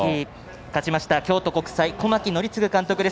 勝ちました、京都国際小牧憲継監督です。